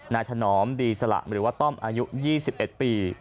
ถนอมดีสละหรือว่าต้อมอายุ๒๑ปี